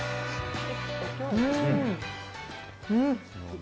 うーん、うん。